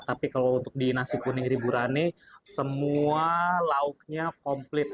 tapi kalau untuk di nasi kuning riburane semua lauknya komplit